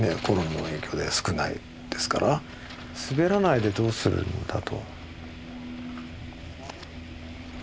コロナの影響で少ないですから滑らないでどうするんだと。